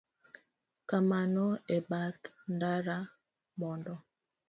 Kamano e bath ndara mondo